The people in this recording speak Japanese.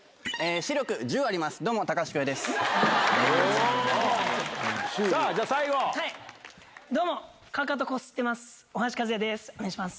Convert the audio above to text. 視力１０あります。